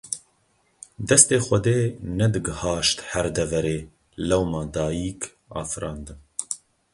Destê Xwedê nedigihaşt her deverê, lewma dayîk afirandin.